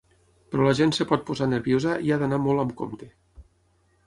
Però la gent es pot posar nerviosa i ha d’anar molt amb compte.